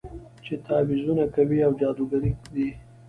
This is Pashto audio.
چې تعويذونه کوي او جادوګرې دي.